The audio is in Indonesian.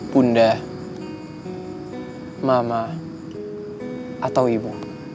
bunda mama atau ibu